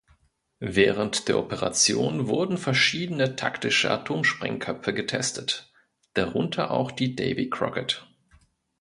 Während der Operation wurden verschiedene taktische Atomsprengköpfe getestet, darunter auch die Davy Crockett.